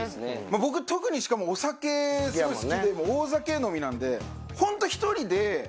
僕特にしかもお酒すごい好きで大酒飲みなんでホント１人で。